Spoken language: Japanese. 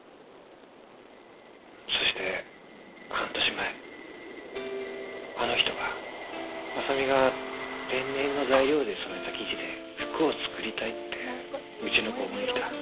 そして半年前あの人が麻未が天然の材料で染めた生地で服を作りたいってうちの工房に来た。